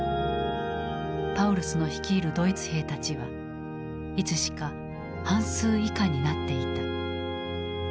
パウルスの率いるドイツ兵たちはいつしか半数以下になっていた。